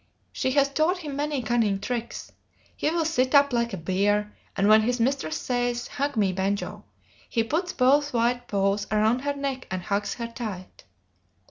She has taught him many cunning tricks. He will sit up like a bear, and when his mistress says, "Hug me, Banjo," he puts both white paws around her neck and hugs her tight.